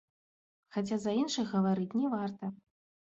Хаця за іншых гаварыць не варта.